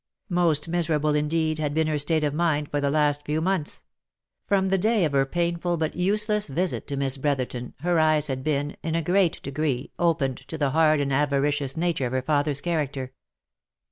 Most miserable, indeed, had been her state of mind for the last few months ; from the day of her painful, but useless visit to Miss Brother ton, her eyes had been, in a great degree, opened to the hard and avaricious nature of her father's character.